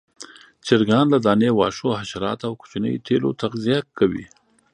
چرګان له دانې، واښو، حشراتو او کوچنيو تیلو تغذیه کوي.